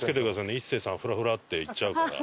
一生さんフラフラって行っちゃうから。